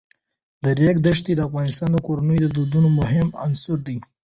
د ریګ دښتې د افغان کورنیو د دودونو مهم عنصر دی.